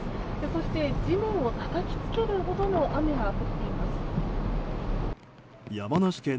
そして地面をたたきつけるほどの雨が降っています。